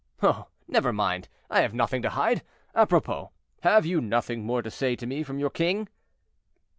"Oh! Never mind; I have nothing to hide. Apropos; have you nothing more to say to me from your king?"